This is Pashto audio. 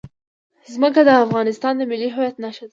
ځمکه د افغانستان د ملي هویت نښه ده.